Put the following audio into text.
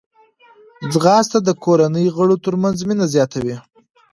ځغاسته د کورنۍ غړو ترمنځ مینه زیاتوي